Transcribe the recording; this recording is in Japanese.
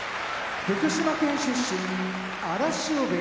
福島県出身荒汐部屋